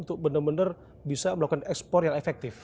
untuk benar benar bisa melakukan ekspor yang efektif